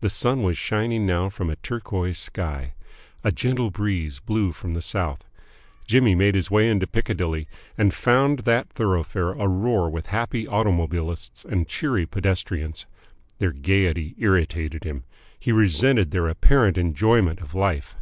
The sun was shining now from a turquoise sky. A gentle breeze blew from the south. Jimmy made his way into Piccadilly, and found that thoroughfare a roar with happy automobilists and cheery pedestrians. Their gaiety irritated him. He resented their apparent enjoyment of life.